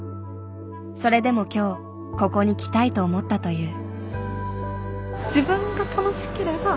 それでも今日ここに来たいと思ったという。